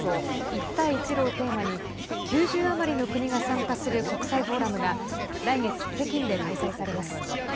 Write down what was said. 一帯一路をテーマに９０余りの国が参加する国際フォーラムが来月、北京で開催されます。